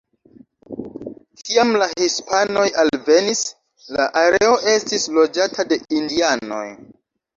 Kiam la hispanoj alvenis, la areo estis loĝata de indianoj.